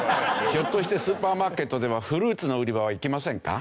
ひょっとしてスーパーマーケットではフルーツの売り場は行きませんか？